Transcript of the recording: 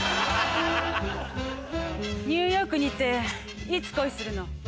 ニューヨークにいていつ恋するの？